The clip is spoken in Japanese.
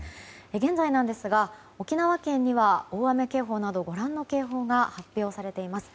現在、沖縄県には大雨警報などご覧の警報が発表されています。